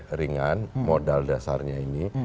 ringan modal dasarnya ini